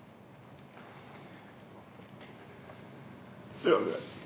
すいません。